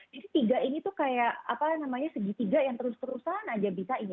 jadi tiga ini tuh kayak apa namanya segitiga yang terus terusan aja bisa ini